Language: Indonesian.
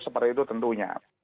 seperti itu tentunya